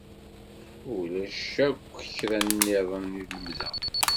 Ulac akk kra-nniḍen i d-lemdeɣ.